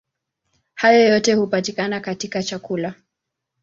Hayo yote hupatikana katika chakula.